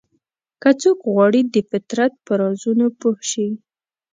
که څوک غواړي د فطرت په رازونو پوه شي.